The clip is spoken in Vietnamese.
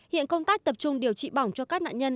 hiện công tác tập trung điều trị bỏng cho các nạn nhân